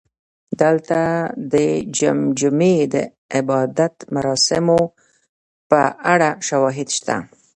دلته د جمجمې د عبادت مراسمو په اړه شواهد شته